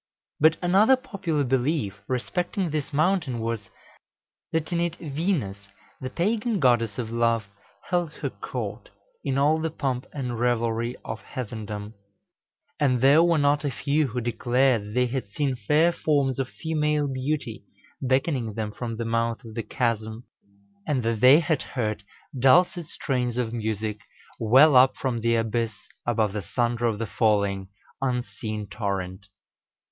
But another popular belief respecting this mountain was, that in it Venus, the pagan Goddess of Love, held her court, in all the pomp and revelry of heathendom; and there were not a few who declared that they had seen fair forms of female beauty beckoning them from the mouth of the chasm, and that they had heard dulcet strains of music well up from the abyss above the thunder of the falling, unseen torrent.